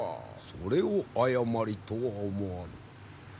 それを誤りとは思わぬ。